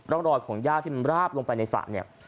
ร่องรอยของย่าที่มันราบลงไปในสระเนี่ย